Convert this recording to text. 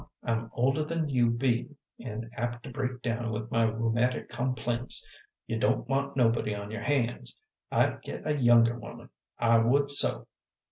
I'm older than you be, an' apt to break down with my rheumatic complaints. You don't want nobody on your hands. I'd git a younger woman, I would so."